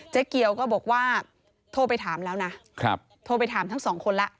เกี่ยวก็บอกว่าโทรไปถามแล้วนะโทรไปถามทั้งสองคนแล้ว